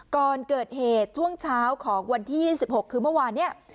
ก่อนเกิดเหตุช่วงเช้าของวันที่๒๖คือเมื่อวานนี้